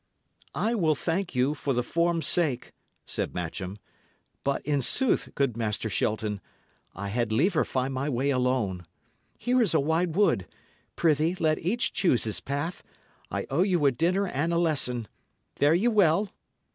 "I will thank you, for the form's sake," said Matcham. "But, in sooth, good Master Shelton, I had liever find my way alone. Here is a wide wood; prithee, let each choose his path; I owe you a dinner and a lesson. Fare ye well!"